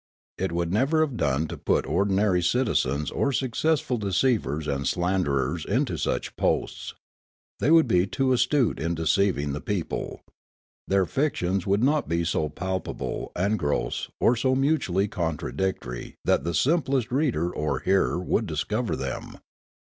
It would never have done to put ordinary citizens or successful deceivers and slanderers into such posts ; they would be too astute in deceiving the people ; their fictions would not be so palpable and gross or so mutually contradictory that the simplest reader or hearer would discover them.